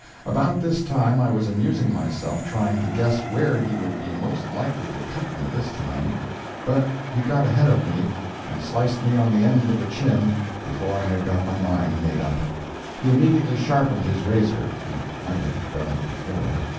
About this time I was amusing myself trying to guess where he would be most likely to cut me this time, but he got ahead of me, and sliced me on the end of the chin before I had got my mind made up. He immediately sharpened his razor he might have done it before.